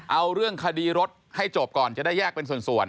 เอาเรื่องคดีรถให้จบก่อนจะได้แยกเป็นส่วน